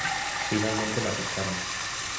Finalmente, la aceptaron.